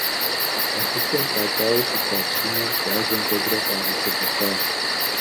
Абыхэм къатӏауэ щыта псынэр къуажэм куэдрэ къагъэсэбэпащ.